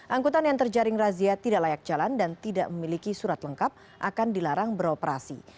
angkutan yang terjaring razia tidak layak jalan dan tidak memiliki surat lengkap akan dilarang beroperasi